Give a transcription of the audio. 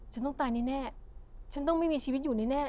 ฉันต้องตายแน่ฉันต้องไม่มีชีวิตอยู่แน่